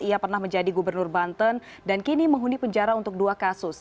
ia pernah menjadi gubernur banten dan kini menghuni penjara untuk dua kasus